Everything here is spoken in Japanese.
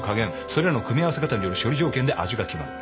それらの組み合わせ方による処理条件で味が決まる。